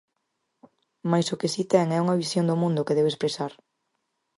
Mais o que si ten é unha visión do mundo que debe expresar.